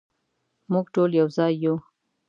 مونږ ټول یو ځای یو